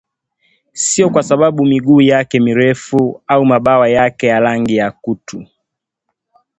Sio kwa sababu ya miguu yake mirefu au mabawa yake ya rangi ya kutu